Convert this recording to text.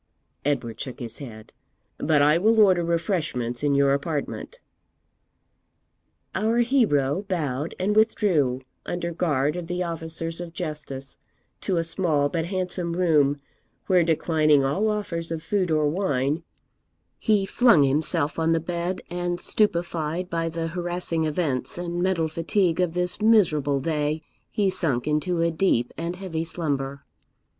(Edward shook his head) but I will order refreshments in your apartment.' Our hero bowed and withdrew, under guard of the officers of justice, to a small but handsome room, where, declining all offers of food or wine, he flung himself on the bed, and, stupified by the harassing events and mental fatigue of this miserable day, he sunk into a deep and heavy slumber.